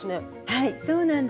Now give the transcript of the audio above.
はいそうなんです。